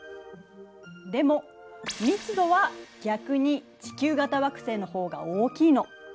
でも密度は逆に地球型惑星の方が大きいの。